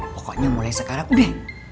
pokoknya mulai sekarang udah